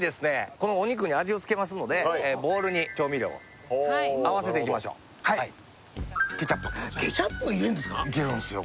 このお肉に味をつけますのでボールに調味料をあわせていきましょうケチャップケチャップ入れるんですか！？イケるんですよ